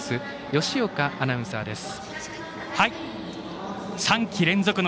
吉岡アナウンサーです。